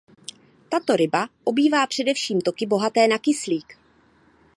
Tato ryba obývá především toky bohaté na kyslík.